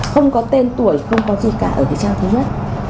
không có tên tuổi không có gì cả ở trang thứ nhất